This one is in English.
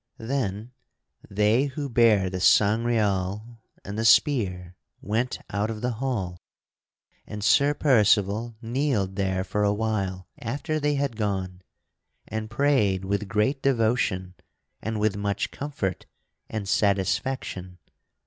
Then they who bare the Sangreal and the Spear went out of the hall, and Sir Percival kneeled there for a while after they had gone and prayed with great devotion and with much comfort and satisfaction.